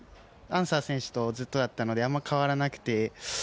アンサー選手とずっとだったのであんまり変わらなくて。